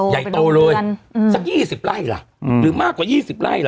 ใหญ่โตเลยสัก๒๐ไร่ล่ะหรือมากกว่า๒๐ไร่ล่ะ